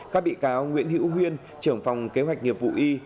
các bị cáo nguyễn hữu huyên trưởng phòng kế hoạch nghiệp vụ y